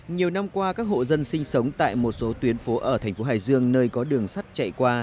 nhiều năm qua các hộ dân sinh sống tại một số tuyến phố ở thành phố hải dương nơi có đường sắt chạy qua